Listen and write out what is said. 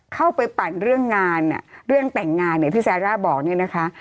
เข้าไปปั่นเรื่องงานเรื่องแต่งงานเนี่ยที่ซาร่าบอกเนี่ยนะคะ